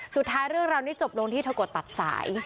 สุดท้ายเรื่องเรานี่จบลงที่เธอก็ตัดสาย